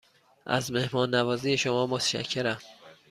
از مهمان نوازی شما متشکرم.